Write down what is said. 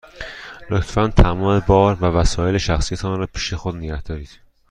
لطفاً تمام بار و وسایل شخصی تان را پیش خود نگه دارید.